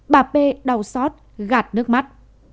bà p đau xót gạt nước mắt